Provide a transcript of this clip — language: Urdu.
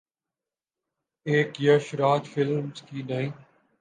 ایک ’یش راج فلمز‘ کی نئی